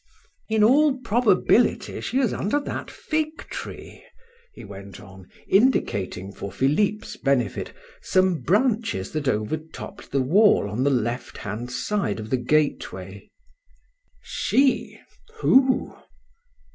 "In all probability she is under that fig tree," he went on, indicating, for Philip's benefit, some branches that over topped the wall on the left hand side of the gateway. "She? Who?"